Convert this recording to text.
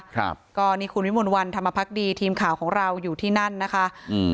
ครับก็นี่คุณวิมลวันธรรมพักดีทีมข่าวของเราอยู่ที่นั่นนะคะอืม